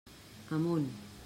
Amunt.